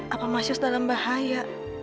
apa mas yos dalam bahaya